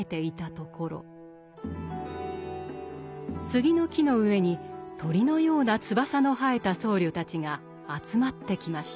杉の木の上に鳥のような翼の生えた僧侶たちが集まってきました。